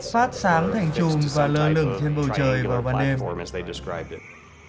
phát sáng thành chùm và lơ lửng trên bầu trời vào ban đêm